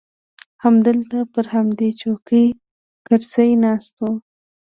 همدلته پر همدې چوکۍ کرزى ناست و.